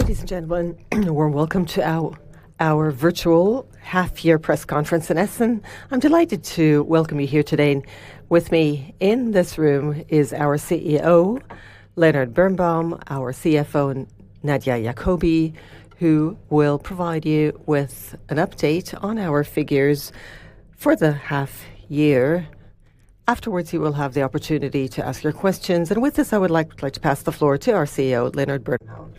Ladies and gentlemen, we welcome you to our virtual half-year press conference in Essen. I'm delighted to welcome you here today. With me in this room is our CEO, Leonhard Birnbaum, our CFO, Nadia Jakobi, who will provide you with an update on our figures for the half-year. Afterwards, you will have the opportunity to ask your questions. With this, I would like to pass the floor to our CEO, Leonhard Birnbaum.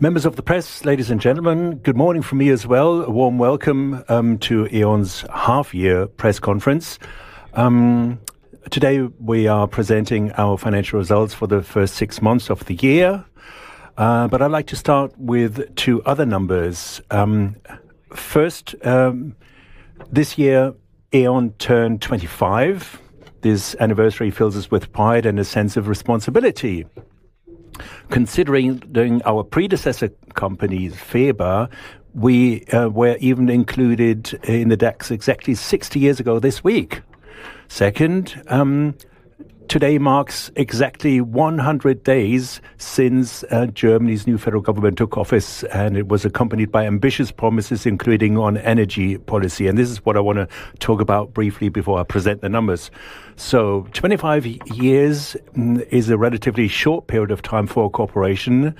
Members of the press, ladies and gentlemen, good morning from me as well. A warm welcome to E.ON's half-year press conference. Today, we are presenting our financial results for the first six months of the year. I'd like to start with two other numbers. First, this year, E.ON turned 25. This anniversary fills us with pride and a sense of responsibility. Considering our predecessor company, VEBA, we were even included in the DAX executives 60 years ago this week. Second, today marks exactly 100 days since Germany's new federal government took office, and it was accompanied by ambitious promises, including on energy policy. This is what I want to talk about briefly before I present the numbers. 25 years is a relatively short period of time for a corporation,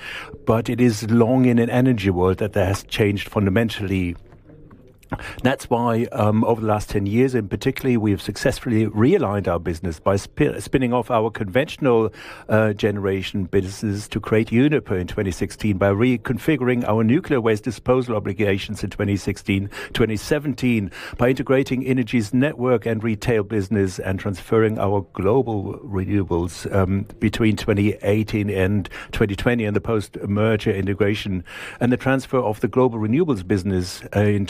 but it is long in an energy world that has changed fundamentally. That's why, over the last 10 years in particular, we have successfully realigned our business by spinning off our conventional generation businesses to create Uniper in 2016, by reconfiguring our nuclear waste disposal obligations in 2016 and 2017, by integrating Energy's network and retail business, and transferring our global renewables between 2018 and 2020 in the post-merger integration, and the transfer of the global renewables business in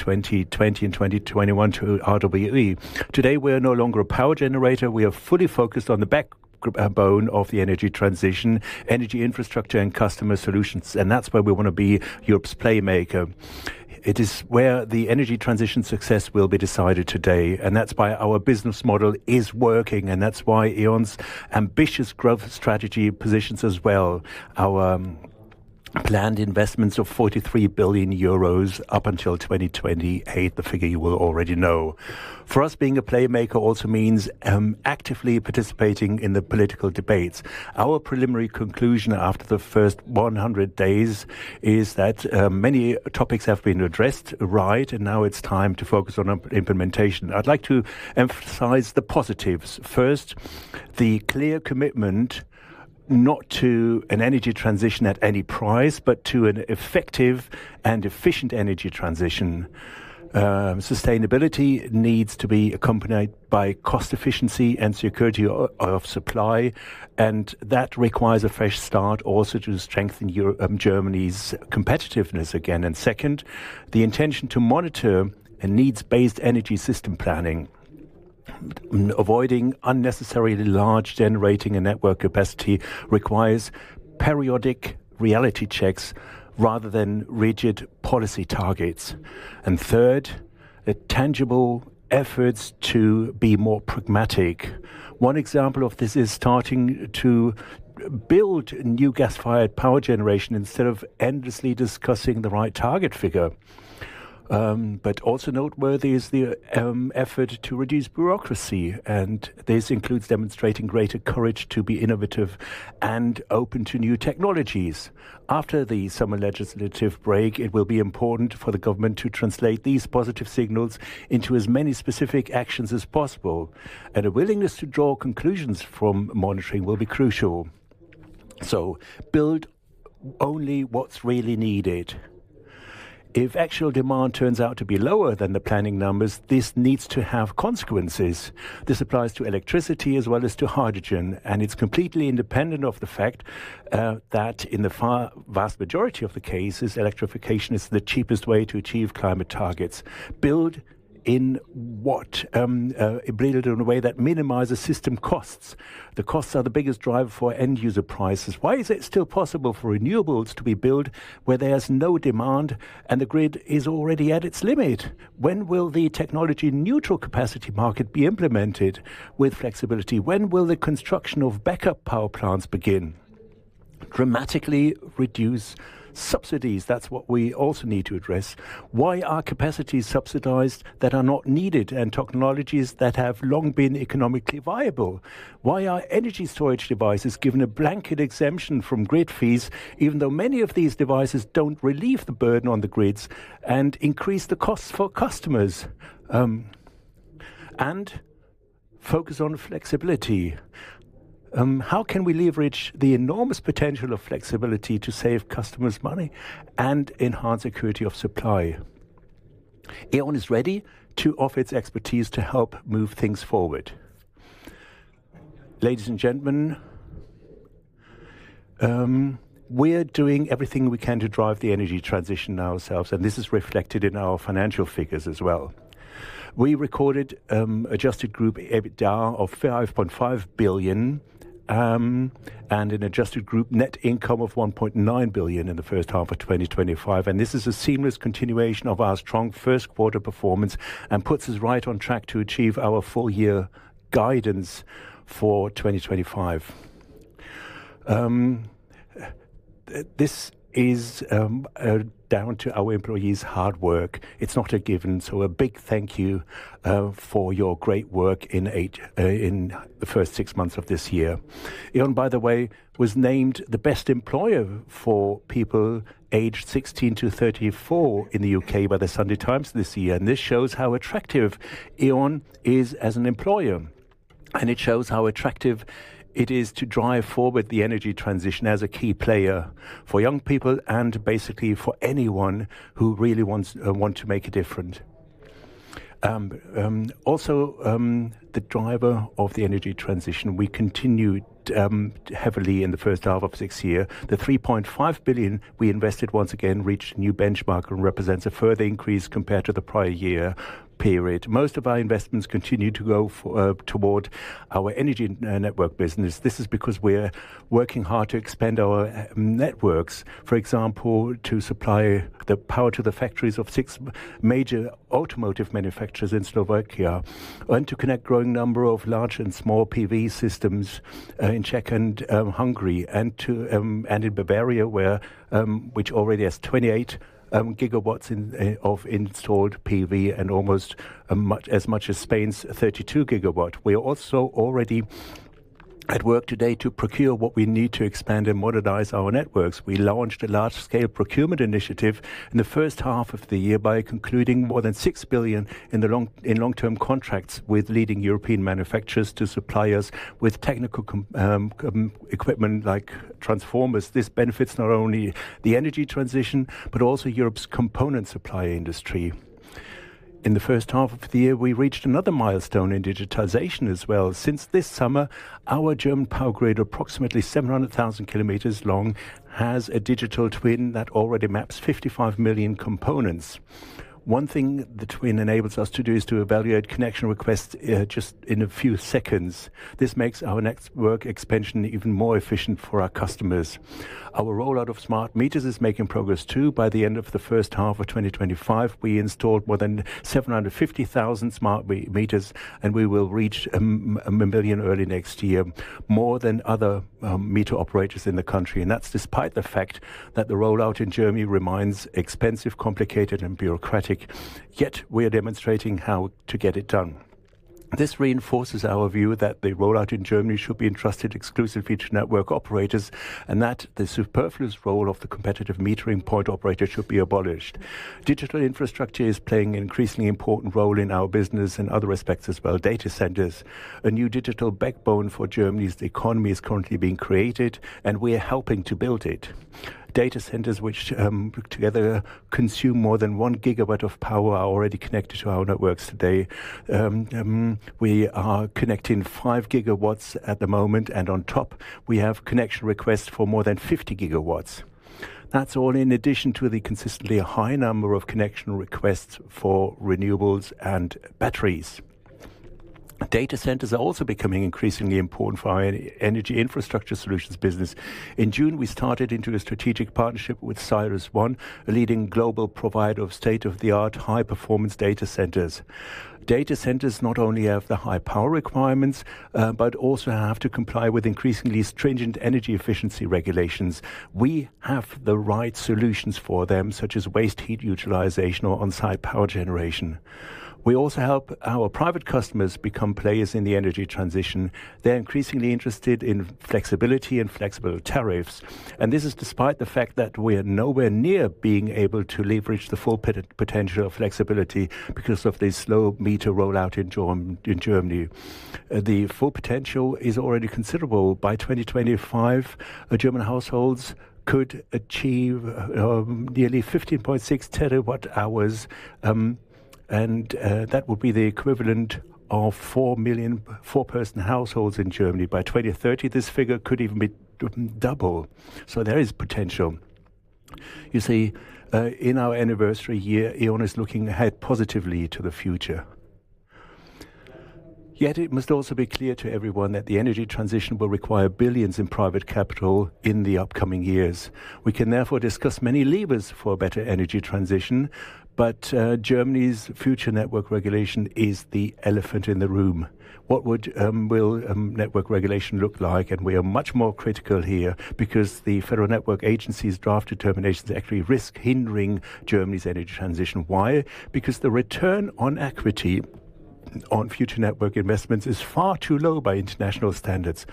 2020 and 2021 to RWE. Today, we are no longer a power generator. We are fully focused on the backbone of the energy transition, energy infrastructure, and customer solutions. That's where we want to be Europe's playmaker. It is where the energy transition success will be decided today. That's why our business model is working. That's why E.ON's ambitious growth strategy positions us well. Our planned investments of 43 billion euros up until 2028, the figure you will already know. For us, being a playmaker also means actively participating in the political debates. Our preliminary conclusion after the first 100 days is that many topics have been addressed right, and now it's time to focus on implementation. I'd like to emphasize the positives. First, the clear commitment not to an energy transition at any price, but to an effective and efficient energy transition. Sustainability needs to be accompanied by cost efficiency and security of supply, and that requires a fresh start also to strengthen Germany's competitiveness again. Second, the intention to monitor and needs-based energy system planning. Avoiding unnecessarily large generating and network capacity requires periodic reality checks rather than rigid policy targets. Third, tangible efforts to be more pragmatic. One example of this is starting to build new gas-fired power generation instead of endlessly discussing the right target figure. Also noteworthy is the effort to reduce bureaucracy, and this includes demonstrating greater courage to be innovative and open to new technologies. After the summer legislative break, it will be important for the government to translate these positive signals into as many specific actions as possible. A willingness to draw conclusions from monitoring will be crucial. Build only what's really needed. If actual demand turns out to be lower than the planning numbers, this needs to have consequences. This applies to electricity as well as to hydrogen, and it's completely independent of the fact that in the vast majority of the cases, electrification is the cheapest way to achieve climate targets. Build in what? Build in a way that minimizes system costs. The costs are the biggest driver for end-user prices. Why is it still possible for renewables to be built where there is no demand and the grid is already at its limit? When will the technology neutral capacity market be implemented with flexibility? When will the construction of backup power plants begin? Dramatically reduce subsidies, that's what we also need to address. Why are capacities subsidized that are not needed and technologies that have long been economically viable? Why are energy storage devices given a blanket exemption from grid fees, even though many of these devices don't relieve the burden on the grids and increase the costs for customers? Focus on flexibility. How can we leverage the enormous potential of flexibility to save customers' money and enhance the security of supply? E.ON is ready to offer its expertise to help move things forward. Ladies and gentlemen, we're doing everything we can to drive the energy transition ourselves, and this is reflected in our financial figures as well. We recorded an adjusted group EBITDA of 5.5 billion and an adjusted group net income of 1.9 billion in the first half of 2025. This is a seamless continuation of our strong first-quarter performance and puts us right on track to achieve our full-year 2025 guidance. This is down to our employees' hard work. It's not a given. A big thank you for your great work in the first six months of this year. E.ON, by the way, was named the best employer for people aged 16-34 in the U.K. by the Sunday Times this year. This shows how attractive E.ON is as an employer. It shows how attractive it is to drive forward the energy transition as a key player for young people and basically for anyone who really wants to make a difference. Also, the driver of the energy transition, we continued heavily in the first half of this year. The 3.5 billion we invested once again reached a new benchmark and represents a further increase compared to the prior year period. Most of our investments continue to go toward our energy networks business. This is because we're working hard to expand our networks, for example, to supply the power to the factories of six major automotive manufacturers in Slovakia and to connect a growing number of large and small PV systems in the Czech and Hungary, and in Bavaria, which already has 28 GW of installed PV and almost as much as Spain's 32 GW. We are also already at work today to procure what we need to expand and modernize our networks. We launched a large-scale procurement initiative in the first half of the year by concluding more than 6 billion in long-term contracts with leading European manufacturers to supply us with technical equipment like transformers. This benefits not only the energy transition, but also Europe's component supply industry. In the first half of the year, we reached another milestone in digitization as well. Since this summer, our German power grid, approximately 700,000 km long, has a digital twin that already maps 55 million components. One thing the twin enables us to do is to evaluate connection requests just in a few seconds. This makes our network expansion even more efficient for our customers. Our rollout of smart meters is making progress too. By the end of the first half of 2025, we installed more than 750,000 smart meters, and we will reach a million early next year, more than other meter operators in the country. That's despite the fact that the rollout in Germany remains expensive, complicated, and bureaucratic. Yet, we are demonstrating how to get it done. This reinforces our view that the rollout in Germany should be entrusted exclusively to network operators, and that the superfluous role of the competitive metering point operator should be abolished. Digital infrastructure is playing an increasingly important role in our business and other aspects as well. Data centers, a new digital backbone for Germany's economy, is currently being created, and we are helping to build it. Data centers, which together consume more than 1 GW of power, are already connected to our networks today. We are connecting 5 GW at the moment, and on top, we have connection requests for more than 50 GW. That's all in addition to the consistently high number of connection requests for renewables and batteries. Data centers are also becoming increasingly important for our Energy Infrastructure Solutions business. In June, we started into a strategic partnership with CyrusOne, a leading global provider of state-of-the-art high-performance data centers. Data centers not only have the high power requirements, but also have to comply with increasingly stringent energy efficiency regulations. We have the right solutions for them, such as waste heat utilization or on-site power generation. We also help our private customers become players in the energy transition. They're increasingly interested in flexibility and flexible tariffs. This is despite the fact that we are nowhere near being able to leverage the full potential of flexibility because of the slow smart meter rollout in Germany. The full potential is already considerable. By 2025, German households could achieve nearly 15.6 TWh, and that would be the equivalent of four million four-person households in Germany. By 2030, this figure could even be double. There is potential. You see, in our anniversary year, E.ON is looking ahead positively to the future. Yet, it must also be clear to everyone that the energy transition will require billions in private capital in the upcoming years. We can therefore discuss many levers for a better energy transition, but Germany's future network regulation is the elephant in the room. What will network regulation look like? We are much more critical here because the Federal Network Agency's draft determinations actually risk hindering Germany's energy transition. Why? Because the return on equity on future network investments is far too low by international standards.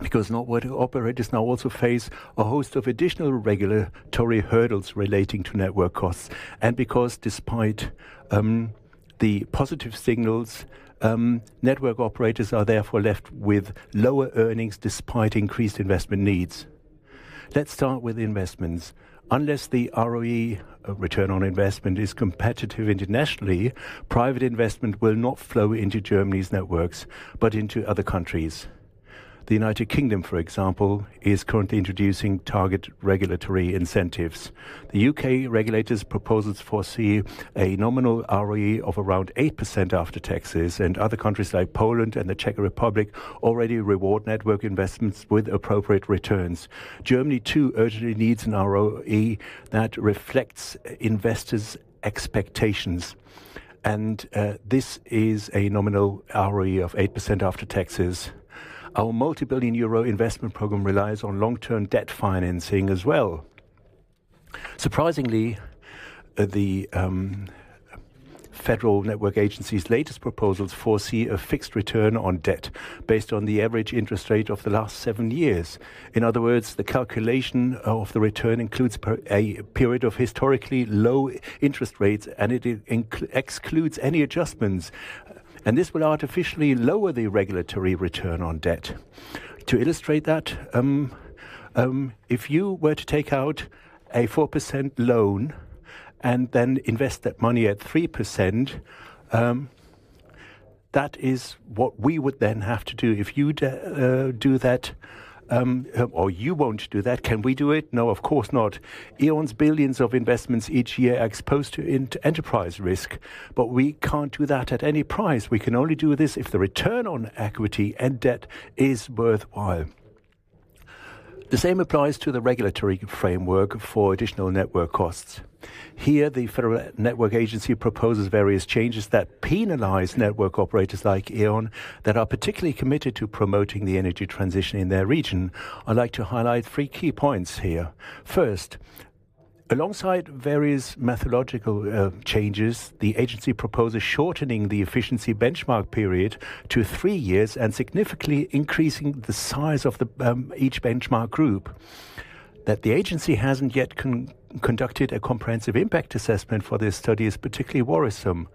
Because network operators now also face a host of additional regulatory hurdles relating to network costs. Because despite the positive signals, network operators are therefore left with lower earnings despite increased investment needs. Let's start with investments. Unless the ROE, return on investment, is competitive internationally, private investment will not flow into Germany's networks, but into other countries. The United Kingdom, for example, is currently introducing target regulatory incentives. The U.K. regulator's proposals foresee a nominal ROE of around 8% after taxes, and other countries like Poland and the Czech Republic already reward network investments with appropriate returns. Germany, too, urgently needs an ROE that reflects investors' expectations. This is a nominal ROE of 8% after taxes. Our multibillion euro investment program relies on long-term debt financing as well. Surprisingly, the Federal Network Agency's latest proposals foresee a fixed return on debt based on the average interest rate of the last seven years. In other words, the calculation of the return includes a period of historically low interest rates, and it excludes any adjustments. This will artificially lower the regulatory return on debt. To illustrate that, if you were to take out a 4% loan and then invest that money at 3%, that is what we would then have to do. If you do that, or you want to do that, can we do it? No, of course not. E.ON's billions of investments each year are exposed to enterprise risk, but we can't do that at any price. We can only do this if the return on equity and debt is worthwhile. The same applies to the regulatory framework for additional network costs. Here, the Federal Network Agency proposes various changes that penalize network operators like E.ON that are particularly committed to promoting the energy transition in their region. I'd like to highlight three key points here. First, alongside various methodological changes, the agency proposes shortening the efficiency benchmark period to three years and significantly increasing the size of each benchmark group. That the agency hasn't yet conducted a comprehensive impact assessment for this study is particularly worrisome.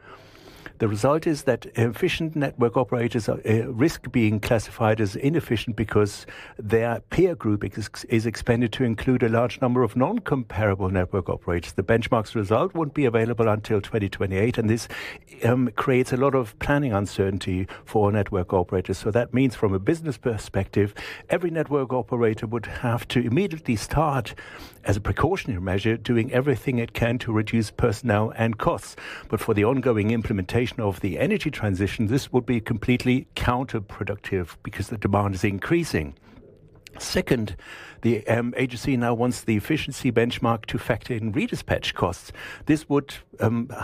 The result is that efficient network operators risk being classified as inefficient because their peer group is expected to include a large number of non-comparable network operators. The benchmark's result won't be available until 2028, and this creates a lot of planning uncertainty for network operators. That means from a business perspective, every network operator would have to immediately start, as a precautionary measure, doing everything it can to reduce personnel and costs. For the ongoing implementation of the energy transition, this would be completely counterproductive because the demand is increasing. Second, the agency now wants the efficiency benchmark to factor in redispatch costs. This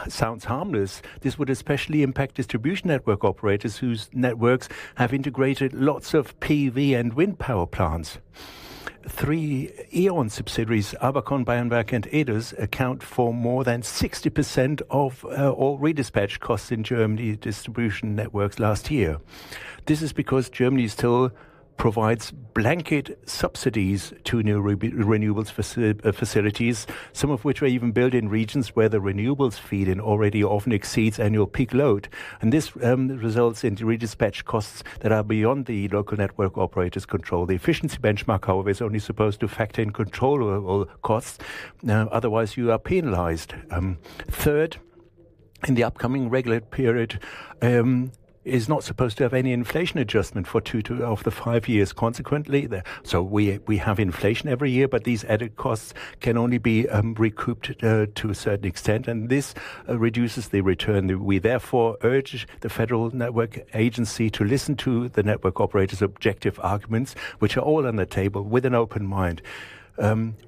sounds harmless. This would especially impact distribution network operators whose networks have integrated lots of PV and wind power plants. Three E.ON subsidiaries, Avacon, Bayernwerk, and EDIS, account for more than 60% of all redispatch costs in Germany's distribution networks last year. This is because Germany still provides blanket subsidies to new renewables facilities, some of which are even built in regions where the renewables feed in already often exceed annual peak load. This results in redispatch costs that are beyond the local network operator's control. The efficiency benchmark, however, is only supposed to factor in control of all costs. Otherwise, you are penalized. Third, in the upcoming regulated period, it is not supposed to have any inflation adjustment for two of the five years. Consequently, we have inflation every year, but these added costs can only be recouped to a certain extent, and this reduces the return. We therefore urge the Federal Network Agency to listen to the network operators' objective arguments, which are all on the table with an open mind.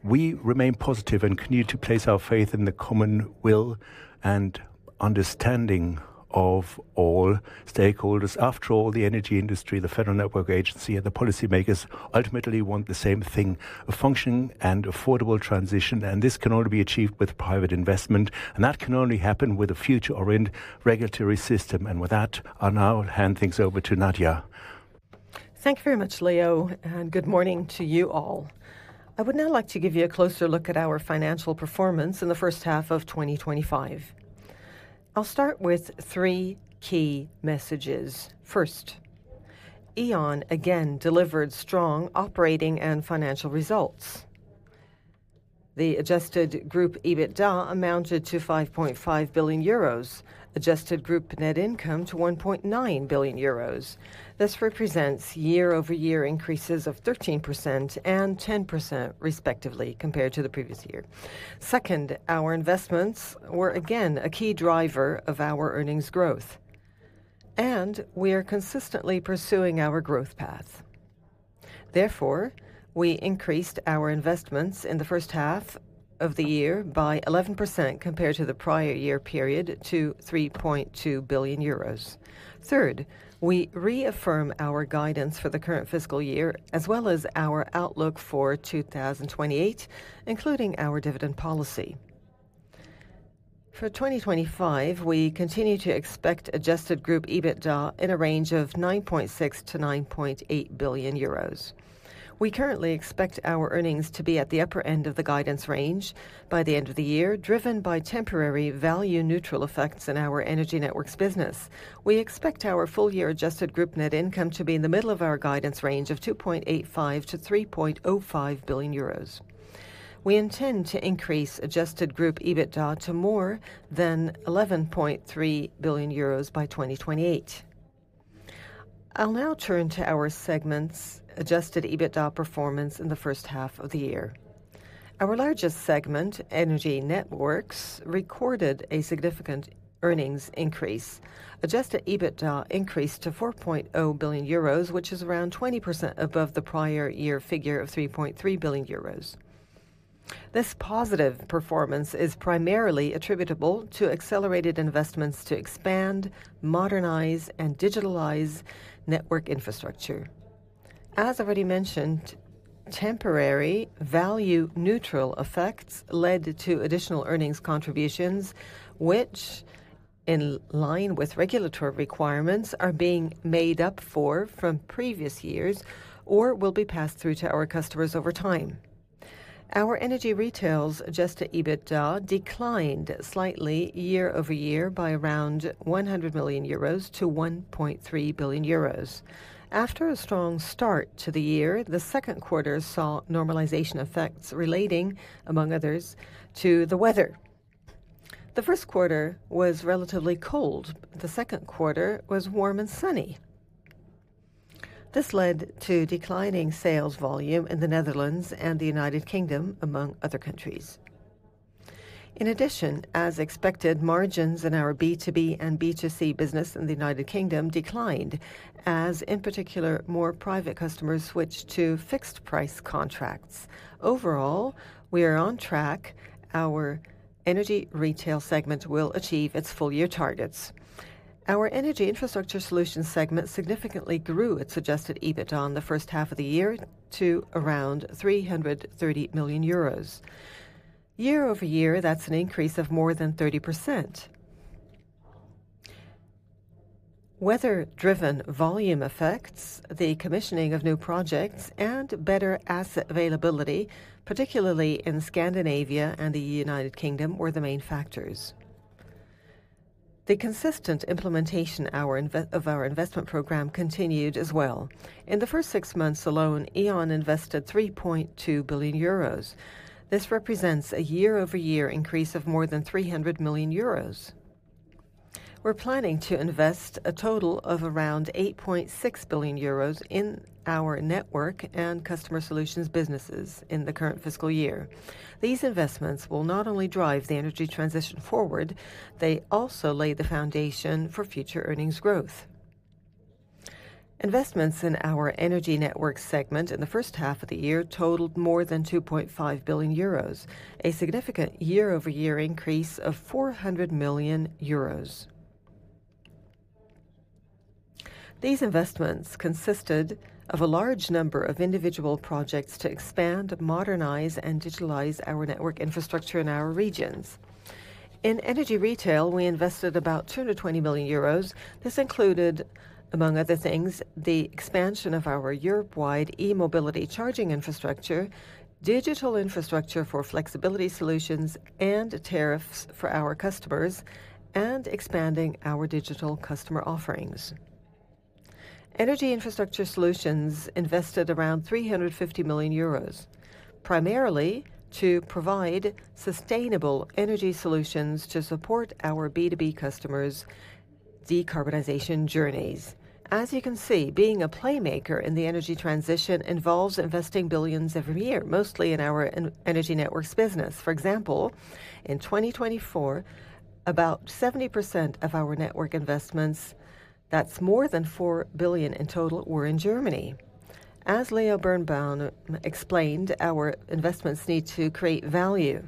We remain positive and continue to place our faith in the common will and understanding of all stakeholders. After all, the energy industry, the Federal Network Agency, and the policymakers ultimately want the same thing: a functioning and affordable transition. This can only be achieved with private investment. That can only happen with a future-oriented regulatory system. With that, I'll now hand things over to Nadia. Thank you very much, Leo, and good morning to you all. I would now like to give you a closer look at our financial performance in the first half of 2025. I'll start with three key messages. First, E.ON again delivered strong operating and financial results. The adjusted group EBITDA amounted to 5.5 billion euros, adjusted group net income to 1.9 billion euros. This represents year-over-year increases of 13% and 10%, respectively, compared to the previous year. Second, our investments were again a key driver of our earnings growth. We are consistently pursuing our growth path. Therefore, we increased our investments in the first half of the year by 11% compared to the prior year period to 3.2 billion euros. Third, we reaffirm our guidance for the current fiscal year, as well as our outlook for 2028, including our dividend policy. For 2025, we continue to expect adjusted group EBITDA in a range of 9.6 billion-9.8 billion euros. We currently expect our earnings to be at the upper end of the guidance range by the end of the year, driven by temporary value-neutral effects in our energy networks business. We expect our full-year adjusted group net income to be in the middle of our guidance range of 2.85 billion-3.05 billion euros. We intend to increase adjusted group EBITDA to more than 11.3 billion euros by 2028. I'll now turn to our segment's adjusted EBITDA performance in the first half of the year. Our largest segment, energy networks, recorded a significant earnings increase. Adjusted EBITDA increased to 4.0 billion euros, which is around 20% above the prior year figure of 3.3 billion euros. This positive performance is primarily attributable to accelerated investments to expand, modernize, and digitalize network infrastructure. As already mentioned, temporary value-neutral effects led to additional earnings contributions, which, in line with regulatory requirements, are being made up for from previous years or will be passed through to our customers over time. Our energy retail's adjusted EBITDA declined slightly year-over-year by around 100 million-1.3 billion euros. After a strong start to the year, the second quarter saw normalization effects relating, among others, to the weather. The first quarter was relatively cold. The second quarter was warm and sunny. This led to declining sales volume in the Netherlands and the United Kingdom, among other countries. In addition, as expected, margins in our B2B and B2C business in the United Kingdom declined, as in particular, more private customers switched to fixed-price contracts. Overall, we are on track. Our energy retail segment will achieve its full-year targets. Our Energy Infrastructure Solutions segment significantly grew its adjusted EBITDA in the first half of the year to around 330 million euros. Year-over-year, that's an increase of more than 30%. Weather-driven volume effects, the commissioning of new projects, and better asset availability, particularly in Scandinavia and the United Kingdom, were the main factors. The consistent implementation of our investment program continued as well. In the first six months alone, E.ON invested 3.2 billion euros. This represents a year-over-year increase of more than 300 million euros. We're planning to invest a total of around 8.6 billion euros in our network and customer solutions businesses in the current fiscal year. These investments will not only drive the energy transition forward, they also lay the foundation for future earnings growth. Investments in our Energy Networks segment in the first half of the year totaled more than 2.5 billion euros, a significant year-over-year increase of 400 million euros. These investments consisted of a large number of individual projects to expand, modernize, and digitalize our network infrastructure in our regions. In energy retail, we invested about 220 million euros. This included, among other things, the expansion of our Europe-wide e-mobility charging infrastructure, digital infrastructure for flexibility solutions, and tariffs for our customers, and expanding our digital customer offerings. Energy Infrastructure Solutions invested around 350 million euros, primarily to provide sustainable energy solutions to support our B2B customers' decarbonization journeys. As you can see, being a playmaker in the energy transition involves investing billions every year, mostly in our Energy Networks business. For example, in 2024, about 70% of our network investments, that's more than 4 billion in total, were in Germany. As Leonhard Birnbaum explained, our investments need to create value.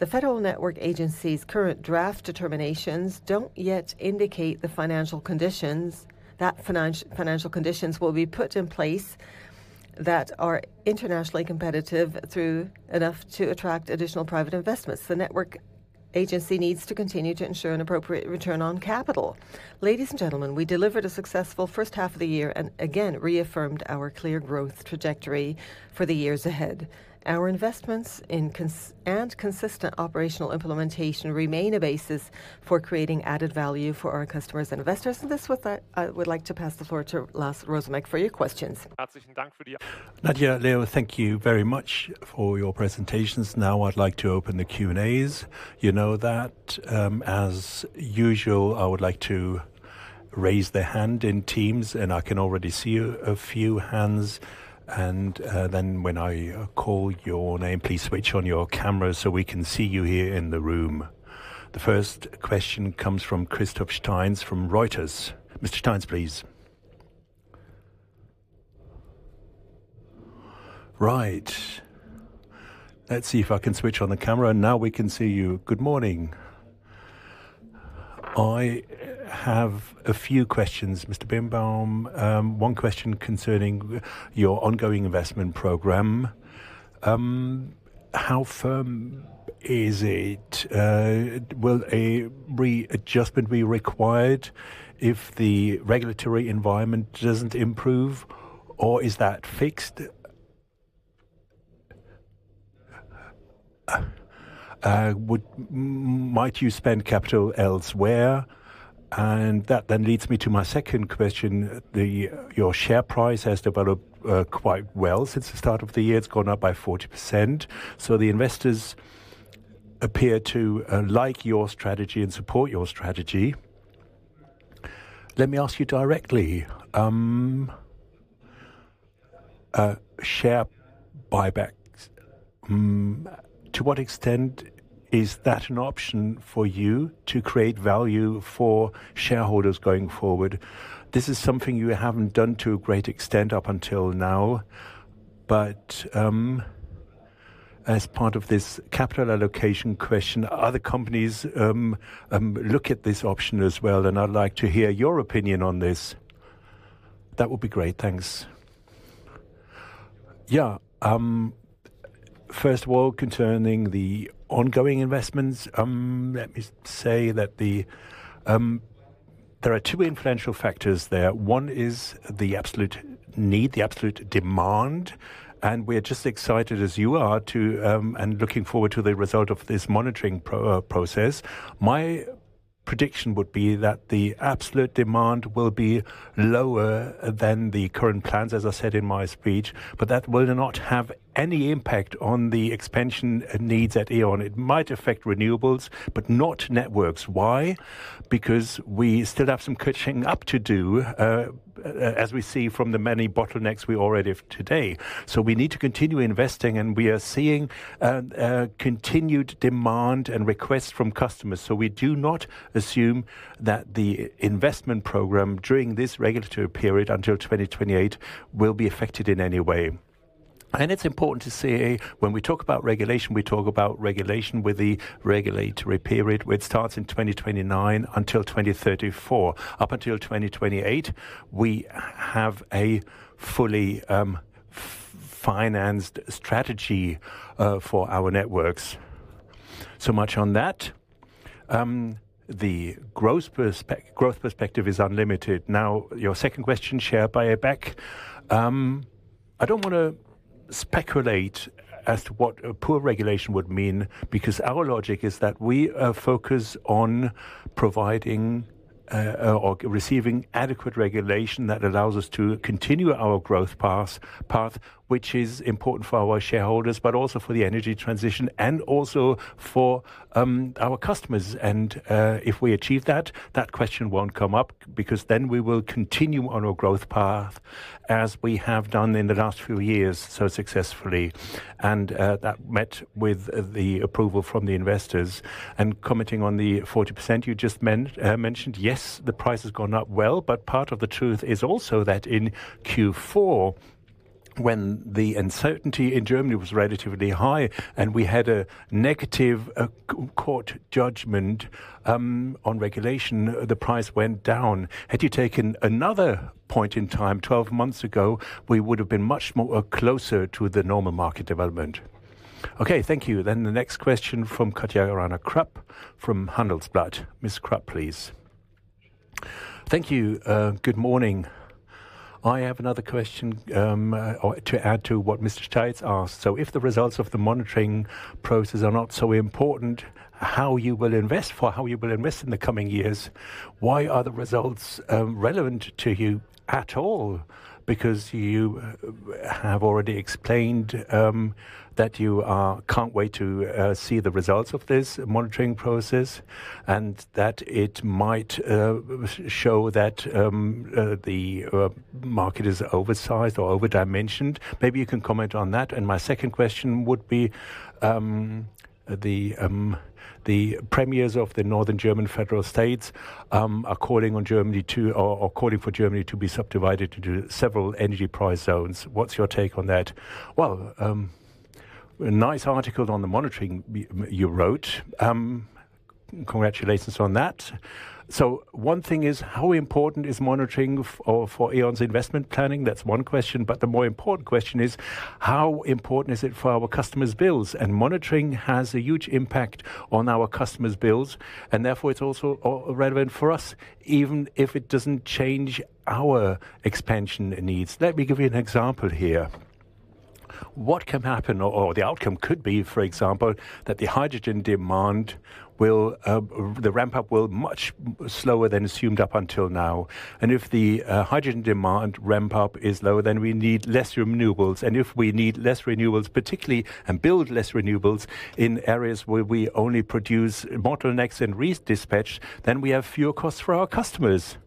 The Federal Network Agency's current draft determinations don't yet indicate the financial conditions that will be put in place that are internationally competitive enough to attract additional private investments. The Federal Network Agency needs to continue to ensure an appropriate return on capital. Ladies and gentlemen, we delivered a successful first half of the year and again reaffirmed our clear growth trajectory for the years ahead. Our investments and consistent operational implementation remain a basis for creating added value for our customers and investors. I would like to pass the floor to Lars Rosumek for your questions. Nadia, Leo, thank you very much for your presentations. Now I'd like to open the Q&As. You know that, as usual, I would like you to raise the hand in Teams, and I can already see a few hands. When I call your name, please switch on your camera so we can see you here in the room. The first question comes from Christoph Steitz from Reuters. Mr. Steitz, please. Right. Let's see if I can switch on the camera, and now we can see you. Good morning. I have a few questions, Mr. Birnbaum. One question concerning your ongoing investment program. How firm is it? Will a readjustment be required if the regulatory environment doesn't improve, or is that fixed? Might you spend capital elsewhere? That then leads me to my second question. Your share price has developed quite well since the start of the year. It's gone up by 40%. The investors appear to like your strategy and support your strategy. Let me ask you directly. Share buybacks, to what extent is that an option for you to create value for shareholders going forward? This is something you haven't done to a great extent up until now. As part of this capital allocation question, other companies look at this option as well, and I'd like to hear your opinion on this. That would be great, thanks. Yeah. First of all, concerning the ongoing investments, let me say that there are two influential factors there. One is the absolute need, the absolute demand. We are just as excited as you are and looking forward to the result of this monitoring process. My prediction would be that the absolute demand will be lower than the current plans, as I said in my speech. That will not have any impact on the expansion needs at E.ON. It might affect renewables, but not networks. Why? We still have some catching up to do, as we see from the many bottlenecks we already have today. We need to continue investing, and we are seeing continued demand and requests from customers. We do not assume that the investment program during this regulatory period until 2028 will be affected in any way. It's important to say when we talk about regulation, we talk about regulation with the regulatory period where it starts in 2029 until 2034. Up until 2028, we have a fully financed strategy for our networks. Much on that. The growth perspective is unlimited. Now, your second question, share buyback. I don't want to speculate as to what poor regulation would mean because our logic is that we focus on providing or receiving adequate regulation that allows us to continue our growth path, which is important for our shareholders, but also for the energy transition and also for our customers. If we achieve that, that question won't come up because then we will continue on our growth path as we have done in the last few years so successfully. That met with the approval from the investors. Commenting on the 40% you just mentioned, yes, the price has gone up well, but part of the truth is also that in Q4, when the uncertainty in Germany was relatively high and we had a negative court judgment on regulation, the price went down. Had you taken another point in time 12 months ago, we would have been much closer to the normal market development. Thank you. The next question from Catiana Krapp from Handelsblatt. Ms. Krapp, please. Thank you. Good morning. I have another question to add to what Mr. Steitz asked. If the results of the monitoring process are not so important for how you will invest in the coming years, why are the results relevant to you at all? You have already explained that you can't wait to see the results of this monitoring process and that it might show that the market is oversized or overdimensioned. Maybe you can comment on that. My second question would be the premiers of the northern German federal states are calling on Germany to, or calling for Germany to be subdivided into several energy price zones. What's your take on that? A nice article on the monitoring you wrote. Congratulations on that. One thing is how important is monitoring for E.ON's investment planning. That's one question. The more important question is how important is it for our customers' bills. Monitoring has a huge impact on our customers' bills. Therefore, it's also relevant for us, even if it doesn't change our expansion needs. Let me give you an example here. What can happen, or the outcome could be, for example, that the hydrogen demand will ramp up much slower than assumed up until now. If the hydrogen demand ramp up is low, then we need less renewables. If we need less renewables, particularly, and build less renewables in areas where we only produce bottlenecks and redispatch, then we have fewer costs for our customers.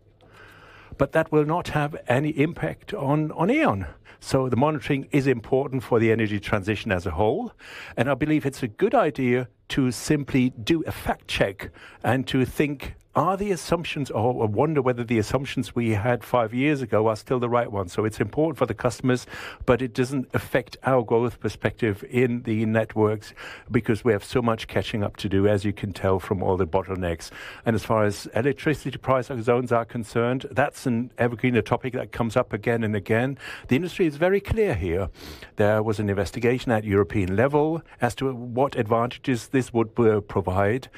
That will not have any impact on E.ON. The monitoring is important for the energy transition as a whole. I believe it's a good idea to simply do a fact check and to think, are the assumptions, or wonder whether the assumptions we had five years ago are still the right ones. It's important for the customers, but it doesn't affect our growth perspective in the networks because we have so much catching up to do, as you can tell from all the bottlenecks. As far as electricity price zones are concerned, that's an evergreen topic that comes up again and again. The industry is very clear here. There was an investigation at the European level as to what advantages this would provide.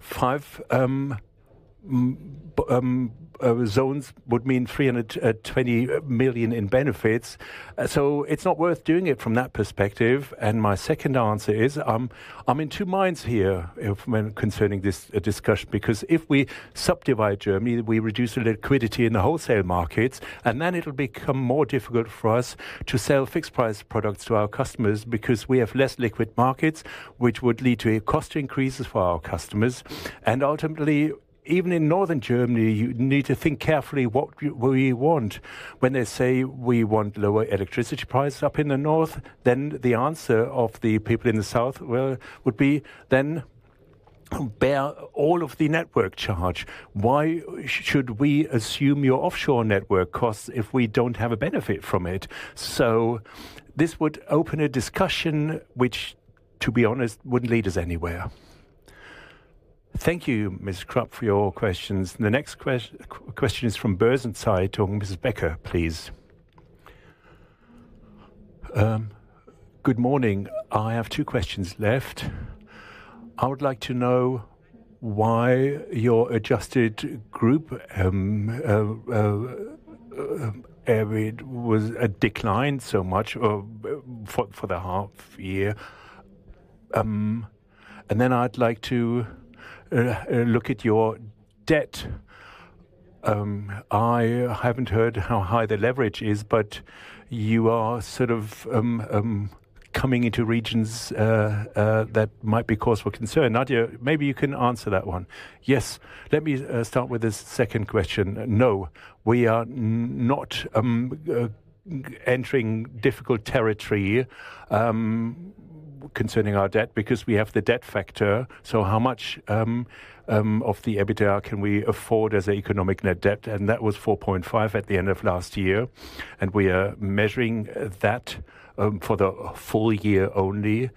Five zones would mean 320 million in benefits. It's not worth doing it from that perspective. My second answer is I'm in two minds here concerning this discussion because if we subdivide Germany, we reduce the liquidity in the wholesale markets. It'll become more difficult for us to sell fixed-price products to our customers because we have less liquid markets, which would lead to cost increases for our customers. Ultimately, even in northern Germany, you need to think carefully what we want. When they say we want lower electricity prices up in the north, then the answer of the people in the south would be then bear all of the network charge. Why should we assume your offshore network costs if we don't have a benefit from it? This would open a discussion which, to be honest, wouldn't lead us anywhere. Thank you, Ms. Krapp, for your questions. The next question is from Börsen-Zeitung. Mrs. Becker, please. Good morning. I have two questions left. I would like to know why your adjusted group EBITDA was declined so much for the half year. I'd like to look at your debt. I haven't heard how high the leverage is, but you are sort of coming into regions that might be cause for concern. Nadia, maybe you can answer that one. Yes. Let me start with this second question. No, we are not entering difficult territory concerning our debt because we have the debt factor. How much of the EBITDA can we afford as an economic net debt? That was 4.5 at the end of last year. We are measuring that for the full year only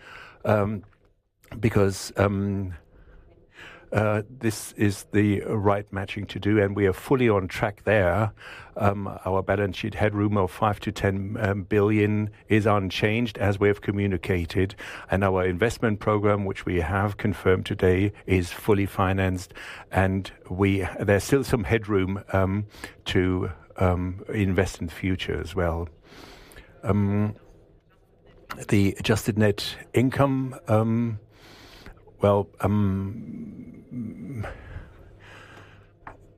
because this is the right matching to do. We are fully on track there. Our balance sheet headroom of 5 billion-10 billion is unchanged, as we have communicated. Our investment program, which we have confirmed today, is fully financed. There's still some headroom to invest in the future as well. The adjusted net income,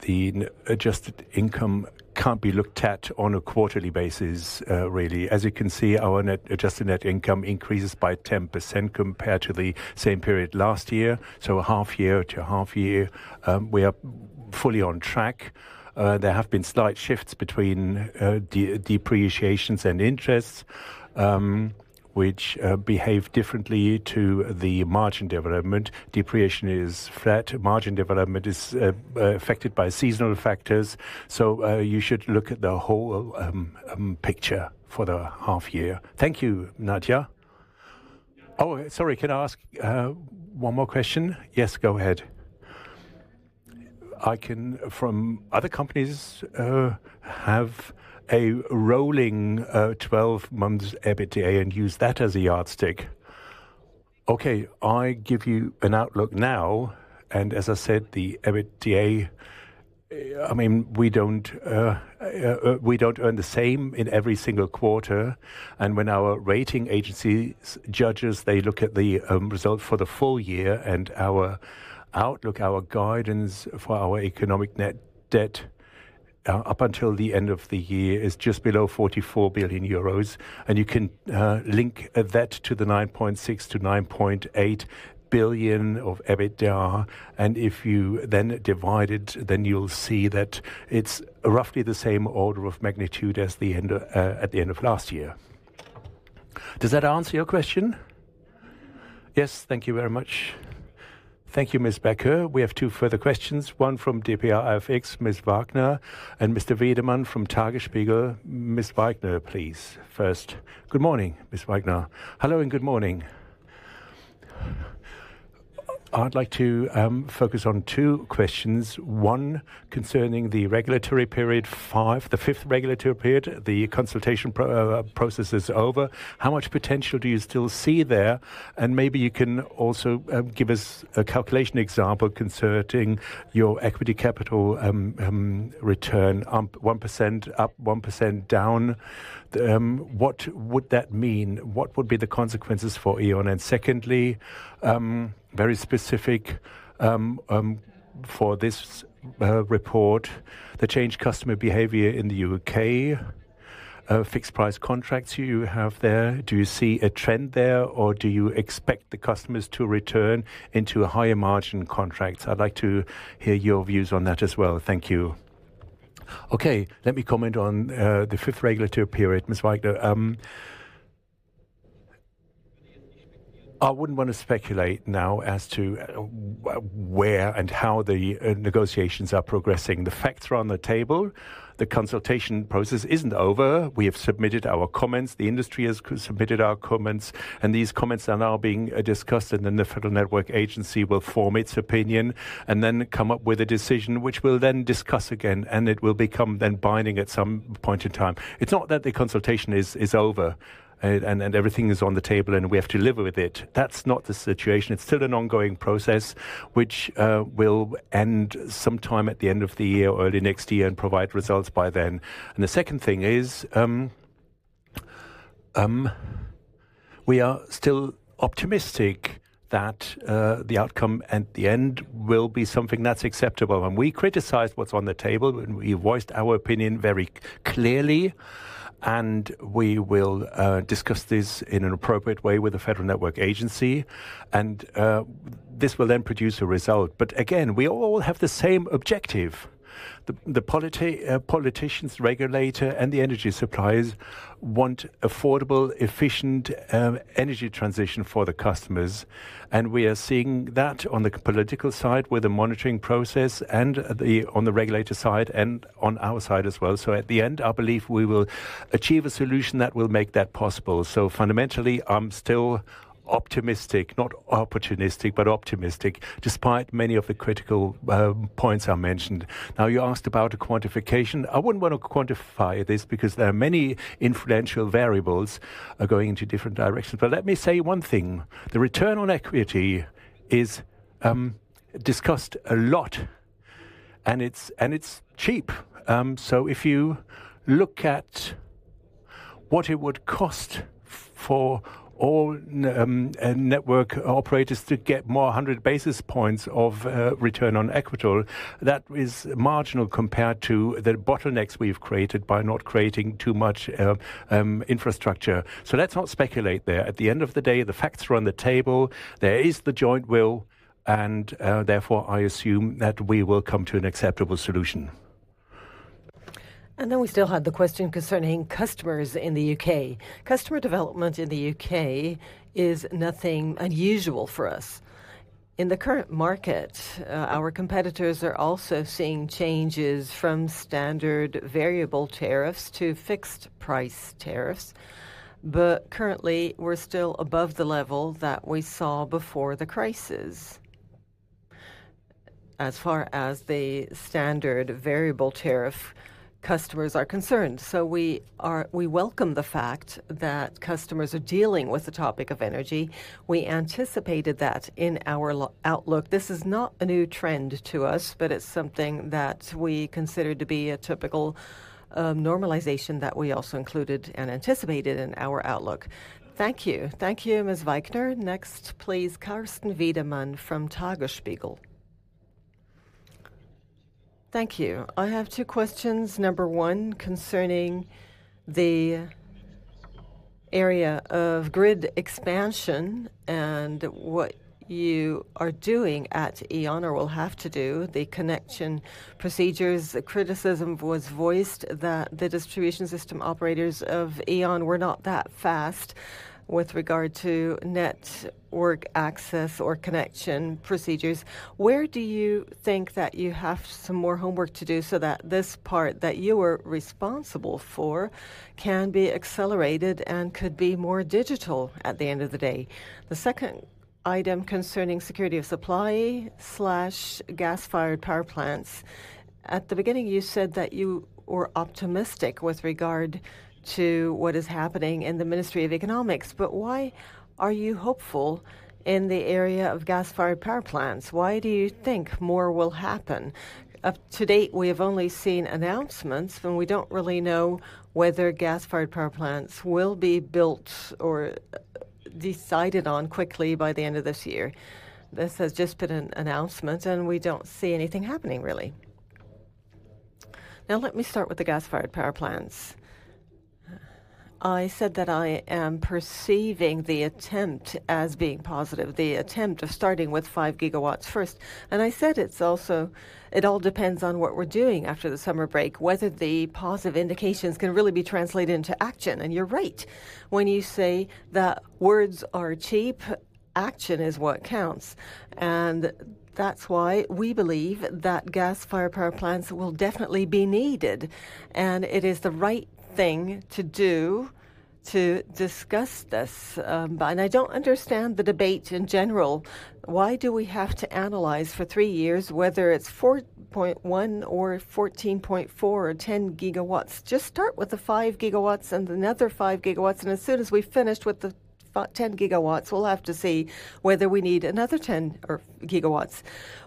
the adjusted income can't be looked at on a quarterly basis, really. As you can see, our adjusted net income increases by 10% compared to the same period last year. A half year to a half year, we are fully on track. There have been slight shifts between depreciations and interests, which behave differently to the margin development. Depreciation is flat. Margin development is affected by seasonal factors. You should look at the whole picture for the half year. Thank you, Nadia. Oh, sorry, can I ask one more question? Yes, go ahead. I can, from other companies, have a rolling 12-month EBITDA and use that as a yardstick. Okay, I give you an outlook now. As I said, the EBITDA, I mean, we don't earn the same in every single quarter. When our rating agency judges, they look at the results for the full year. Our outlook, our guidance for our economic net debt up until the end of the year is just below 44 billion euros. You can link that to the 9.6 billion-9.8 billion of EBITDA. If you then divide it, you'll see that it's roughly the same order of magnitude as at the end of last year. Does that answer your question? Yes, thank you very much. Thank you, Ms. Becker. We have two further questions. One from dpa-AFX, Ms. Wagner, and Mr. Wiedemann from Tagesspiegel. Ms. Wagner, please, first. Good morning, Ms. Wagner. Hello and good morning. I'd like to focus on two questions. One concerning the regulatory period, the fifth regulatory period. The consultation process is over. How much potential do you still see there? Maybe you can also give us a calculation example concerning your equity capital return: 1% up, 1% down. What would that mean? What would be the consequences for E.ON? Secondly, very specific for this report, the changed customer behavior in the U.K., fixed-price contracts you have there. Do you see a trend there, or do you expect the customers to return into higher margin contracts? I'd like to hear your views on that as well. Thank you. Okay, let me comment on the fifth regulatory period, Ms. Wagner. I wouldn't want to speculate now as to where and how the negotiations are progressing. The facts are on the table. The consultation process isn't over. We have submitted our comments. The industry has submitted our comments. These comments are now being discussed, and then the Federal Network Agency will form its opinion and come up with a decision, which we'll then discuss again. It will become binding at some point in time. It is not that the consultation is over and everything is on the table and we have to live with it. That is not the situation. It is still an ongoing process, which will end sometime at the end of the year or early next year and provide results by then. The second thing is we are still optimistic that the outcome at the end will be something that's acceptable. We criticize what's on the table, and we voiced our opinion very clearly. We will discuss this in an appropriate way with the Federal Network Agency, and this will then produce a result. We all have the same objective. The politicians, regulators, and the energy suppliers want affordable, efficient energy transition for the customers. We are seeing that on the political side with the monitoring process, on the regulator side, and on our side as well. At the end, I believe we will achieve a solution that will make that possible. Fundamentally, I'm still optimistic, not opportunistic, but optimistic, despite many of the critical points I mentioned. You asked about a quantification. I wouldn't want to quantify this because there are many influential variables going into different directions. Let me say one thing. The return on equity is discussed a lot, and it's cheap. If you look at what it would cost for all network operators to get more 100 basis points of return on equity, that is marginal compared to the bottlenecks we've created by not creating too much infrastructure. Let's not speculate there. At the end of the day, the facts are on the table. There is the joint will, and therefore, I assume that we will come to an acceptable solution. Then we still had the question concerning customers in the U.K. Customer development in the U.K. is nothing unusual for us. In the current market, our competitors are also seeing changes from standard variable tariffs to fixed-price tariffs. Currently, we're still above the level that we saw before the crisis. As far as the standard variable tariff customers are concerned, we welcome the fact that customers are dealing with the topic of energy. We anticipated that in our outlook. This is not a new trend to us, but it's something that we consider to be a typical normalization that we also included and anticipated in our outlook. Thank you. Thank you, Ms. Wagner. Next, please, Karsten Wiedemann from Tagesspiegel. Thank you. I have two questions. Number one, concerning the area of grid expansion and what you are doing at E.ON or will have to do, the connection procedures. The criticism was voiced that the distribution system operators of E.ON were not that fast with regard to network access or connection procedures. Where do you think that you have some more homework to do so that this part that you were responsible for can be accelerated and could be more digital at the end of the day? The second item concerning security of supply/gas-fired power plants. At the beginning, you said that you were optimistic with regard to what is happening in the Ministry of Economics. Why are you hopeful in the area of gas-fired power plants? Why do you think more will happen? Up to date, we have only seen announcements, and we don't really know whether gas-fired power plants will be built or decided on quickly by the end of this year. This has just been an announcement, and we don't see anything happening, really. Let me start with the gas-fired power plants. I said that I am perceiving the attempt as being positive, the attempt of starting with 5 GW first. I said it all depends on what we're doing after the summer break, whether the positive indications can really be translated into action. You're right when you say that words are cheap, action is what counts. That's why we believe that gas-fired power plants will definitely be needed. It is the right thing to do to discuss this. I don't understand the debate in general. Why do we have to analyze for three years whether it's 4.1 GW or 14.4 GW or 10 GW? Just start with the 5 GW and another 5 GW. As soon as we've finished with the 10 GW, we'll have to see whether we need another 10 GW.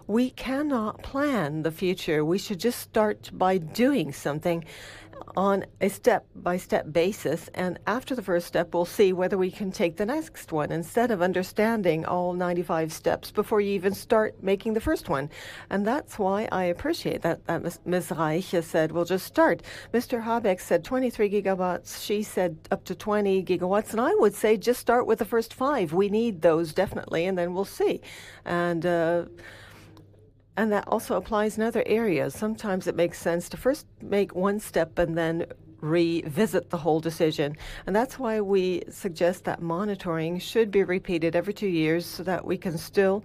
We cannot plan the future. We should just start by doing something on a step-by-step basis. After the first step, we'll see whether we can take the next one instead of understanding all 95 steps before you even start making the first one. That's why I appreciate that Ms. Reiche has said, "We'll just start." Mr. Habeck said 23 GW. She said up to 20 GW. I would say just start with the first five. We need those definitely, and then we'll see. That also applies in other areas. Sometimes it makes sense to first make one step and then revisit the whole decision. That's why we suggest that monitoring should be repeated every two years so that we can still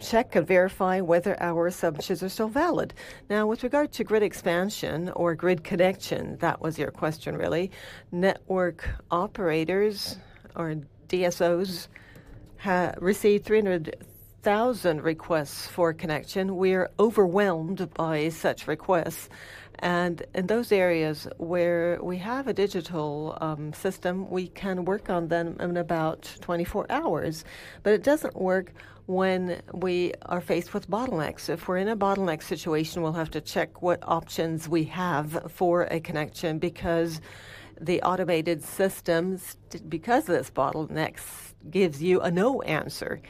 check and verify whether our assumptions are still valid. Now, with regard to grid expansion or grid connection, that was your question, really. Network operators or DSOs receive 300,000 requests for connection. We are overwhelmed by such requests. In those areas where we have a digital system, we can work on them in about 24 hours. It doesn't work when we are faced with bottlenecks. If we're in a bottleneck situation, we'll have to check what options we have for a connection because the automated systems, because of those bottlenecks, give you a no answer.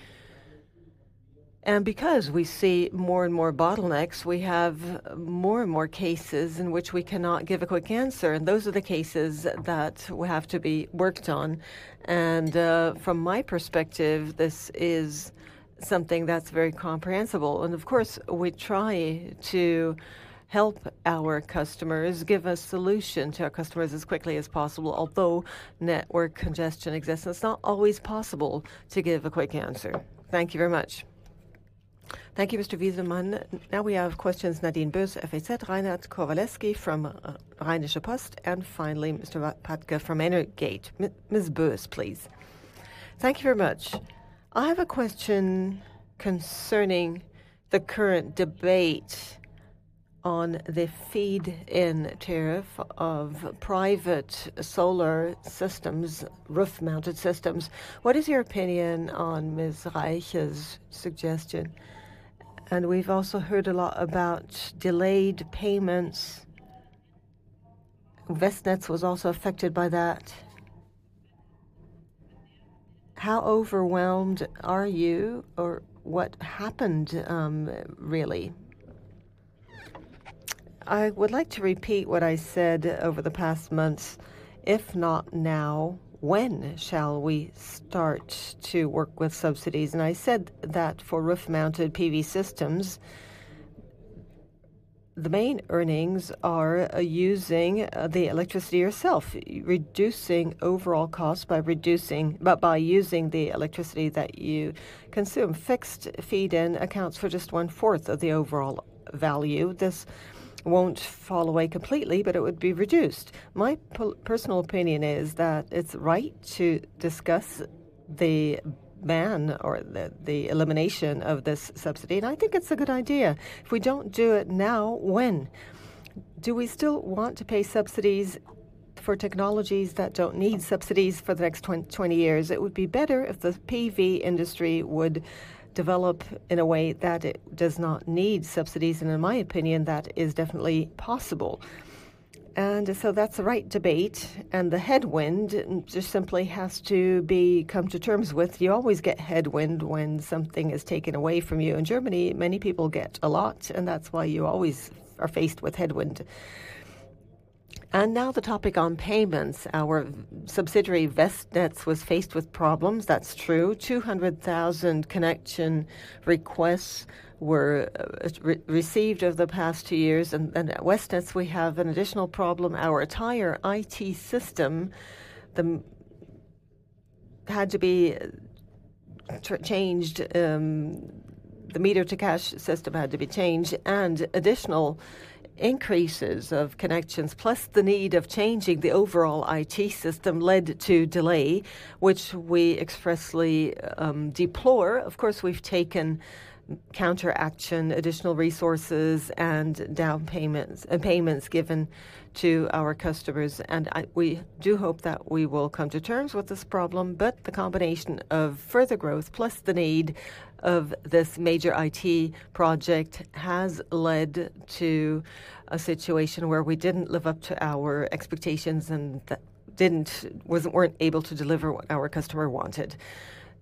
Because we see more and more bottlenecks, we have more and more cases in which we cannot give a quick answer. Those are the cases that will have to be worked on. From my perspective, this is something that's very comprehensible. Of course, we try to help our customers, give a solution to our customers as quickly as possible. Although network congestion exists, it's not always possible to give a quick answer. Thank you very much. Thank you, Mr. Wiedemann. Now we have questions. Nadine Bös, FHZ, Reinhard Kowalewsky from Rheinische Post, and finally, Mr. Patka from Energate. Ms. Bös, please. Thank you very much. I have a question concerning the current debate on the feed-in tariff of private solar systems, roof-mounted systems. What is your opinion on Ms. Reiche's suggestion? We've also heard a lot about delayed payments. Westnetz was also affected by that. How overwhelmed are you or what happened, really? I would like to repeat what I said over the past months. If not now, when shall we start to work with subsidies? I said that for roof-mounted PV systems, the main earnings are using the electricity yourself, reducing overall costs by using the electricity that you consume. Fixed feed-in accounts for just one-fourth of the overall value. This won't fall away completely, but it would be reduced. My personal opinion is that it's right to discuss the ban or the elimination of this subsidy. I think it's a good idea. If we don't do it now, when do we still want to pay subsidies for technologies that don't need subsidies for the next 20 years? It would be better if the PV industry would develop in a way that it does not need subsidies. In my opinion, that is definitely possible. That's the right debate. The headwind just simply has to be come to terms with. You always get headwind when something is taken away from you. In Germany, many people get a lot. That's why you always are faced with headwind. Now the topic on payments. Our subsidiary Westnetz was faced with problems. That's true. 200,000 connection requests were received over the past two years. At Westnetz, we have an additional problem. Our entire IT system had to be changed. The meter-to-cash system had to be changed. Additional increases of connections, plus the need of changing the overall IT system, led to delay, which we expressly deplore. Of course, we've taken counteraction, additional resources, and down payments given to our customers. We do hope that we will come to terms with this problem. The combination of further growth, plus the need of this major IT project, has led to a situation where we didn't live up to our expectations and weren't able to deliver what our customer wanted.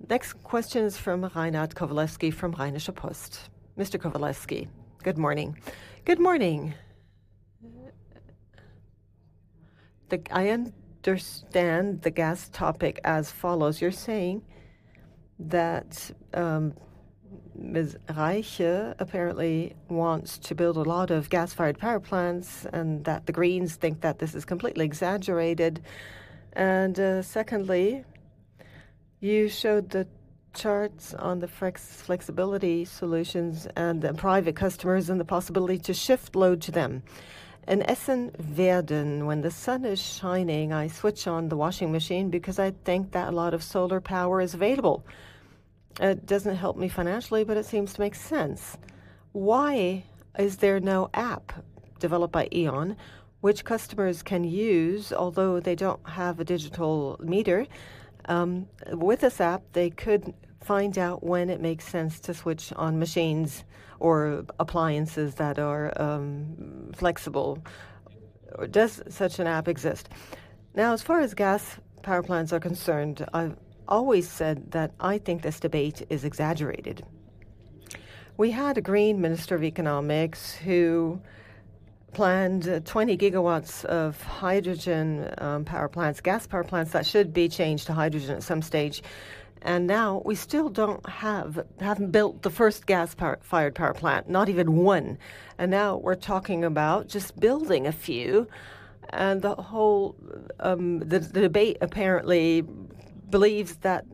Next question is from Reinhard Kowalewsky from Rheinische Post. Mr. Kowalewsky, good morning. Good morning. I understand the gas topic as follows. You're saying that Ms. Reiche apparently wants to build a lot of gas-fired power plants and that the Greens think that this is completely exaggerated. You showed the charts on the flexibility solutions and the private customers and the possibility to shift load to them. In Essen-Werden, when the sun is shining, I switch on the washing machine because I think that a lot of solar power is available. It doesn't help me financially, but it seems to make sense. Why is there no app developed by E.ON which customers can use, although they don't have a digital meter? With this app, they could find out when it makes sense to switch on machines or appliances that are flexible. Does such an app exist? Now, as far as gas power plants are concerned, I've always said that I think this debate is exaggerated. We had a Green Minister of Economics who planned 20 GW of hydrogen power plants, gas power plants that should be changed to hydrogen at some stage. Now we still don't have, haven't built the first gas-fired power plant, not even one. Now we're talking about just building a few. The debate apparently believes that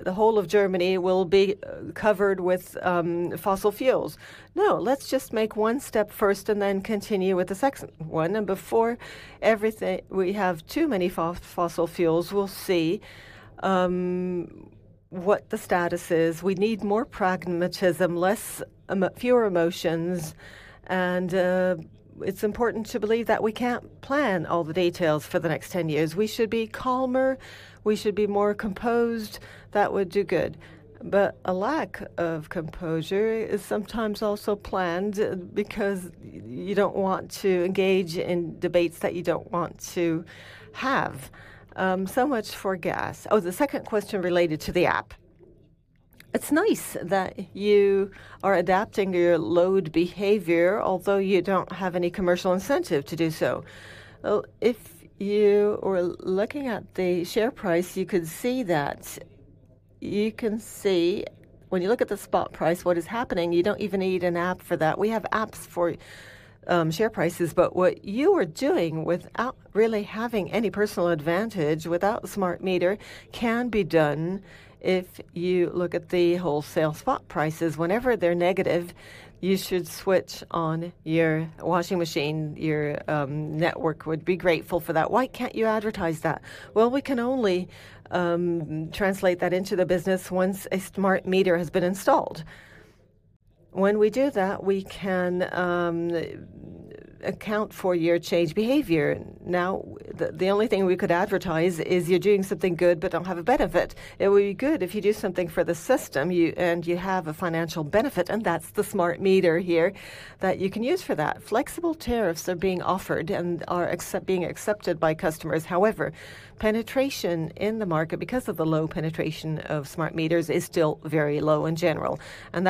the whole of Germany will be covered with fossil fuels. No, let's just make one step first and then continue with the second one. Before everything, we have too many fossil fuels. We'll see what the status is. We need more pragmatism, fewer emotions. It's important to believe that we can't plan all the details for the next 10 years. We should be calmer. We should be more composed. That would do good. A lack of composure is sometimes also planned because you don't want to engage in debates that you don't want to have. So much for gas. The second question related to the app. It's nice that you are adapting your load behavior, although you don't have any commercial incentive to do so. If you are looking at the share price, you can see that. You can see when you look at the spot price what is happening. You don't even need an app for that. We have apps for share prices, but what you are doing without really having any personal advantage without a smart meter can be done if you look at the wholesale spot prices. Whenever they're negative, you should switch on your washing machine. Your network would be grateful for that. Why can't you advertise that? We can only translate that into the business once a smart meter has been installed. When we do that, we can account for your change behavior. The only thing we could advertise is you're doing something good, but don't have a benefit. It would be good if you do something for the system and you have a financial benefit. That's the smart meter here that you can use for that. Flexible tariffs are being offered and are being accepted by customers. However, penetration in the market because of the low penetration of smart meters is still very low in general.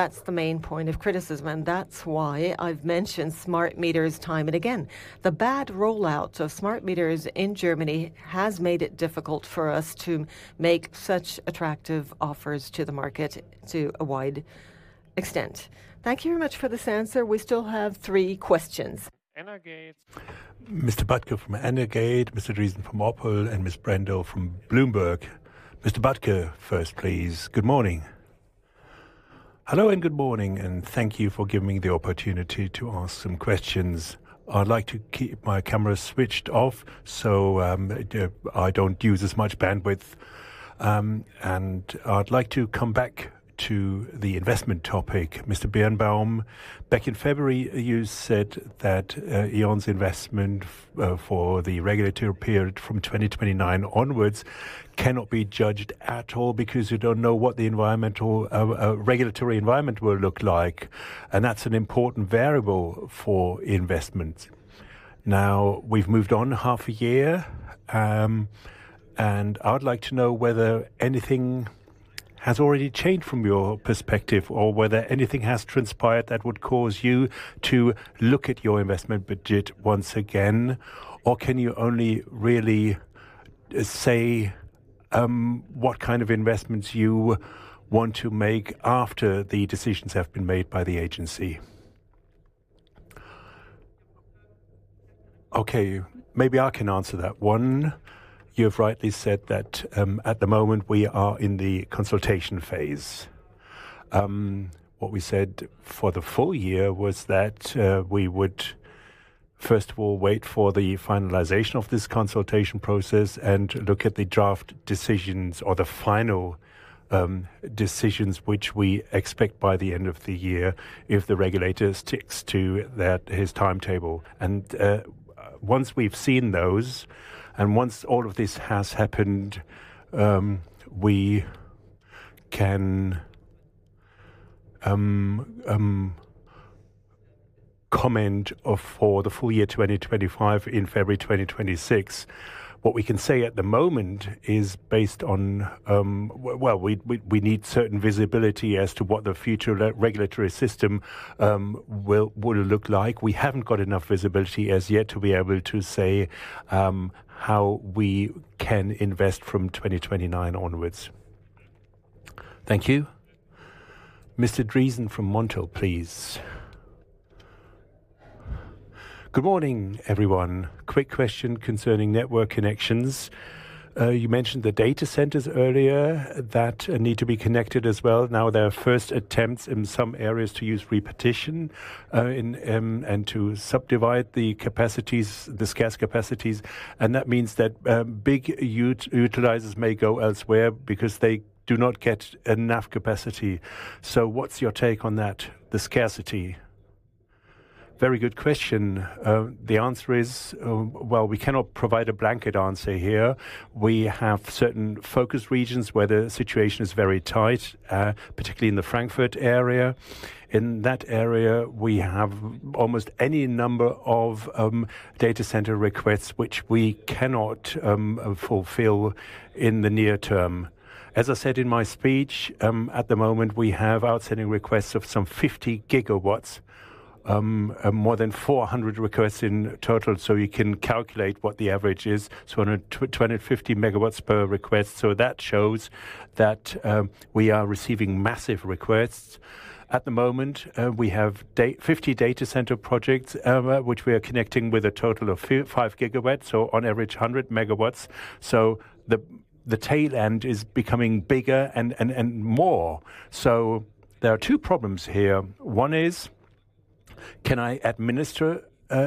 That's the main point of criticism. That's why I've mentioned smart meters time and again. The bad rollout of smart meters in Germany has made it difficult for us to make such attractive offers to the market to a wide extent. Thank you very much for this answer. We still have three questions. Mr. Patka from Energate, Mr. Driessen from Montel, and Ms. Brendel from Bloomberg. Mr. Patka first, please. Good morning. Hello and good morning, and thank you for giving me the opportunity to ask some questions. I'd like to keep my camera switched off so I don't use as much bandwidth. I'd like to come back to the investment topic. Mr. Birnbaum, back in February, you said that E.ON's investment for the regulatory period from 2029 onwards cannot be judged at all because you don't know what the regulatory environment will look like. That's an important variable for investments. Now, we've moved on half a year, and I'd like to know whether anything has already changed from your perspective or whether anything has transpired that would cause you to look at your investment budget once again, or can you only really say what kind of investments you want to make after the decisions have been made by the agency? Okay, maybe I can answer that one. You have rightly said that at the moment we are in the consultation phase. What we said for the full year was that we would, first of all, wait for the finalization of this consultation process and look at the draft decisions or the final decisions which we expect by the end of the year if the regulator sticks to his timetable. Once we've seen those and once all of this has happened, we can comment for the full year 2025 in February 2026. What we can say at the moment is based on, we need certain visibility as to what the future regulatory system will look like. We haven't got enough visibility as yet to be able to say how we can invest from 2029 onwards. Thank you. Mr. Driessen from Montel, please. Good morning, everyone. Quick question concerning network connections. You mentioned the data centers earlier that need to be connected as well. There are first attempts in some areas to use repetition and to subdivide the scarce capacities. That means that big utilizers may go elsewhere because they do not get enough capacity. What's your take on that, the scarcity? Very good question. The answer is, we cannot provide a blanket answer here. We have certain focus regions where the situation is very tight, particularly in the Frankfurt area. In that area, we have almost any number of data center requests which we cannot fulfill in the near term. As I said in my speech, at the moment, we have outstanding requests of some 50 GW, more than 400 requests in total. You can calculate what the average is. 250 MW per request. That shows that we are receiving massive requests. At the moment, we have 50 data center projects which we are connecting with a total of 5 GW, so on average 100 MW. The tail end is becoming bigger and more. There are two problems here. One is, can I administer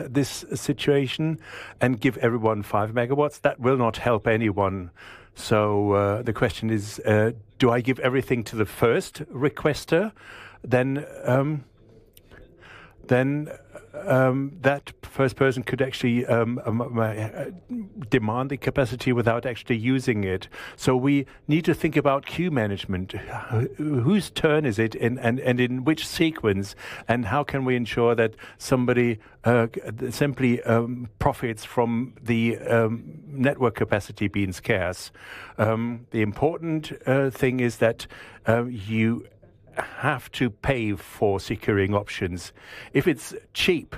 this situation and give everyone 5 MW? That will not help anyone. The question is, do I give everything to the first requester? That first person could actually demand the capacity without actually using it. We need to think about queue management. Whose turn is it and in which sequence? How can we ensure that somebody simply profits from the network capacity being scarce? The important thing is that you have to pay for securing options. If it's cheap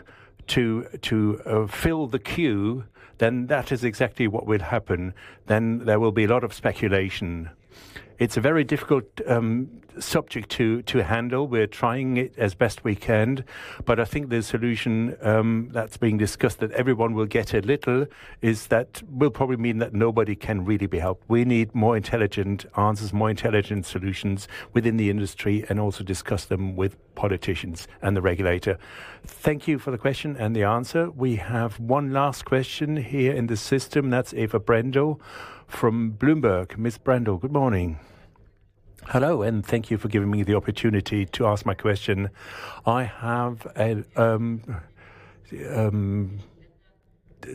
to fill the queue, then that is exactly what will happen. There will be a lot of speculation. It's a very difficult subject to handle. We're trying it as best we can. I think the solution that's being discussed that everyone will get a little is that will probably mean that nobody can really be helped. We need more intelligent answers, more intelligent solutions within the industry, and also discuss them with politicians and the regulator. Thank you for the question and the answer. We have one last question here in the system. That's Eva Brendel from Bloomberg. Ms. Brendel, good morning. Hello, and thank you for giving me the opportunity to ask my question. I have a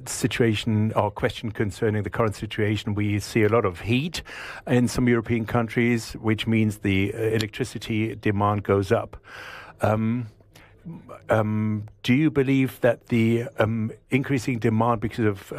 situation or question concerning the current situation. We see a lot of heat in some European countries, which means the electricity demand goes up. Do you believe that the increasing demand because of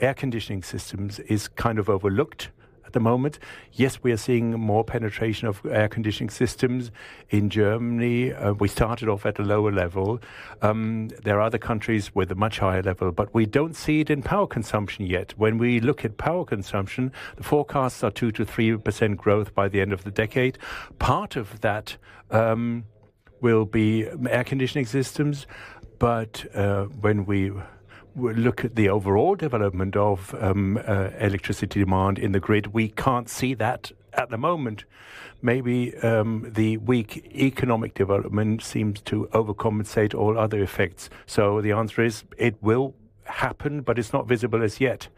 air conditioning systems is kind of overlooked at the moment? Yes, we are seeing more penetration of air conditioning systems in Germany. We started off at a lower level. There are other countries with a much higher level, but we don't see it in power consumption yet. When we look at power consumption, the forecasts are 2%-3% growth by the end of the decade. Part of that will be air conditioning systems. When we look at the overall development of electricity demand in the grid, we can't see that at the moment. Maybe the weak economic development seems to overcompensate all other effects. The answer is it will happen, but it's not visible as yet.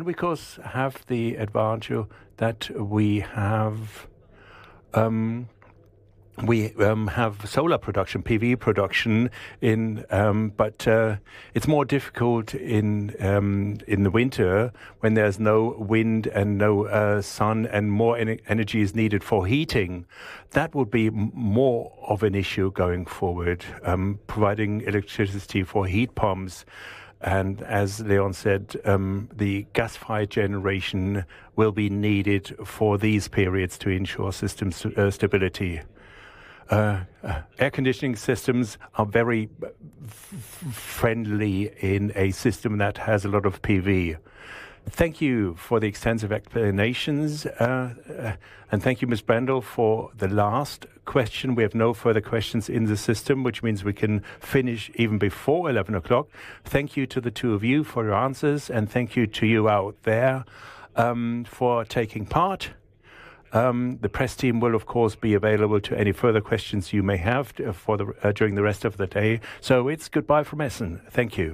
We of course have the advantage that we have solar production, PV production, but it's more difficult in the winter when there's no wind and no sun and more energy is needed for heating. That will be more of an issue going forward, providing electricity for heat pumps. As Leon said, the gas-fired generation will be needed for these periods to ensure system stability. Air conditioning systems are very friendly in a system that has a lot of PV. Thank you for the extensive explanations. Thank you, Ms. Brendel, for the last question. We have no further questions in the system, which means we can finish even before 11:00 A.M. Thank you to the two of you for your answers, and thank you to you out there for taking part. The press team will, of course, be available to any further questions you may have during the rest of the day. It's goodbye from Essen. Thank you.